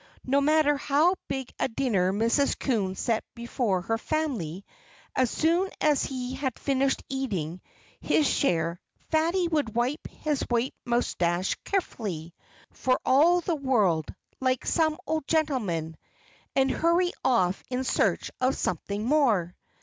No matter how big a dinner Mrs. Coon set before her family, as soon as he had finished eating his share Fatty would wipe his white moustache carefully for all the world like some old gentleman and hurry off in search of something more.